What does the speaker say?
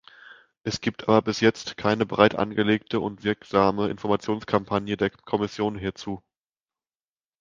Es gibt aber bis jetzt keine breitangelegte und wirksame Informationskampagne der Kommission hierzu.